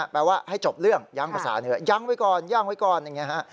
แปลว่าให้จบเรื่องยังภาษาเนื้อยังไว้ก่อนอย่างนี้